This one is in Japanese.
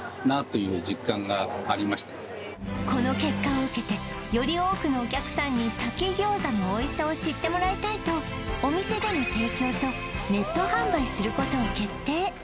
この結果を受けてより多くのお客さんに炊き餃子のおいしさを知ってもらいたいとお店での提供とネット販売することを決定